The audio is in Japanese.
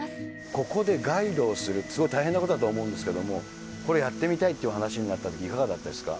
ここでガイドをする、すごい大変なことだと思うんですけれども、これやってみたいっていう話になったとき、いかがだったですか。